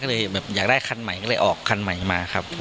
ก็เลยแบบอยากได้คันใหม่ก็เลยออกคันใหม่มาครับ